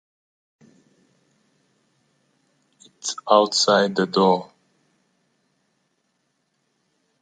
It's outside the door.